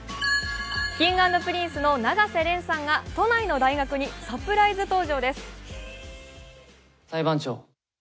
Ｋｉｎｇ＆Ｐｒｉｎｃｅの永瀬廉さんが都内の大学にサプライズ登場です。